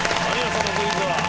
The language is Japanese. そのクイズは。